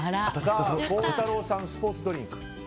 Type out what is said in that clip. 孝太郎さん、スポーツドリンク。